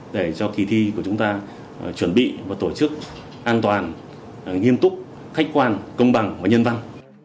để cho kỳ thi của chúng ta chuẩn bị và tổ chức an toàn nghiêm túc khách quan công bằng và nhân văn